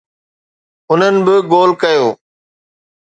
انهن به گول ڪيو.